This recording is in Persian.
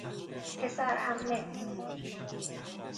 یسر عمه